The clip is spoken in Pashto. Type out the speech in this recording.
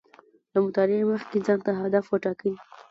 له مطالعې مخکې ځان ته هدف و ټاکئ